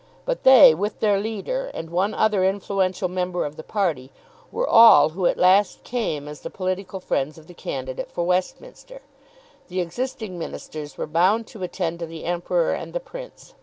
But they, with their leader, and one other influential member of the party, were all who at last came as the political friends of the candidate for Westminster. The existing ministers were bound to attend to the Emperor and the Prince.